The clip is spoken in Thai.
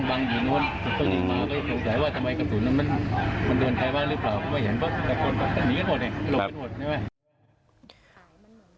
แบบนี้ก็สัดนี่กันหมดเองหลบกันหมด